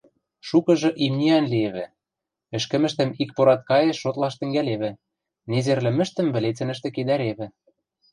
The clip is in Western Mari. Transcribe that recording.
Шукыжы имниӓн лиэвӹ, ӹшкӹмӹштӹм икпораткаэш шотлаш тӹнгӓлевӹ, незер лӹмӹштӹм вӹлецӹнӹштӹ кедӓревӹ.